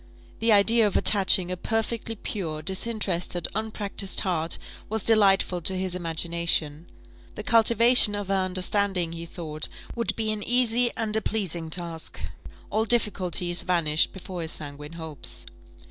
The idea of attaching a perfectly pure, disinterested, unpractised heart, was delightful to his imagination: the cultivation of her understanding, he thought, would be an easy and a pleasing task: all difficulties vanished before his sanguine hopes.